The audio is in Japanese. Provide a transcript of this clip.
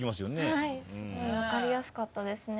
はい分かりやすかったですね。